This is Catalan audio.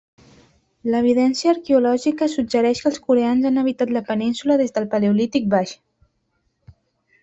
L'evidència arqueològica suggereix que els coreans han habitat la península des del Paleolític Baix.